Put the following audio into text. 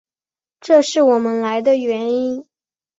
这是我们来的原因。